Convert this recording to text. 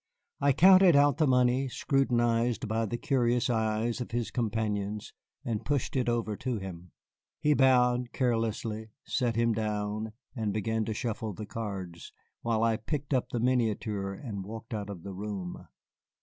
I counted out the money, scrutinized by the curious eyes of his companions, and pushed it over to him. He bowed carelessly, sat him down, and began to shuffle the cards, while I picked up the miniature and walked out of the room.